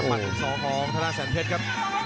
มัดสององธนาแสนเพชรครับ